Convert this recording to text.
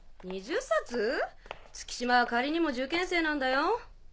⁉月島は仮にも受験生なんだよ。